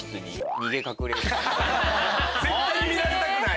絶対見られたくない？